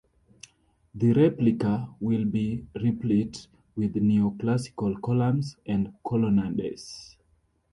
The replica will be replete with neoclassical columns and colonnades.